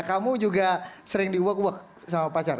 kamu juga sering di uak uak sama pacar